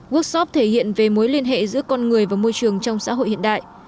workshop thể hiện về mối liên hệ giữa con người và môi trường trong xã hội hiện đại